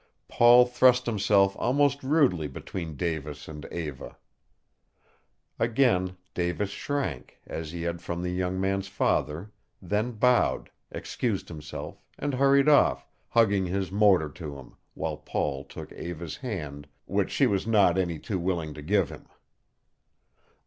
Paul thrust himself almost rudely between Davis and Eva. Again Davis shrank, as he had from the young man's father, then bowed, excused himself, and hurried off, hugging his motor to him, while Paul took Eva's hand, which she was not any too willing to give him.